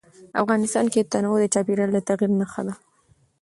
افغانستان کې تنوع د چاپېریال د تغیر نښه ده.